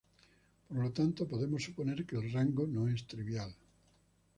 Por lo tanto podemos suponer que el rango no es trivial.